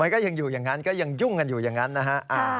ก็ยังอยู่อย่างนั้นก็ยังยุ่งกันอยู่อย่างนั้นนะฮะ